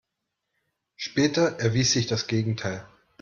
Später erwies sich das Gegenteil.